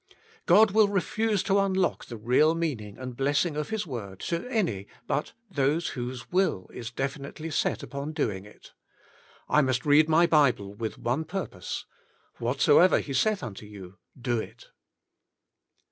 God will refuse to unlock the real meaning and blessing of His word to any but those Whose Will Is Definitely Set Upon Doing It. I must read my Bible with one pur pose —" Whatsoever He saith unto you, Do It.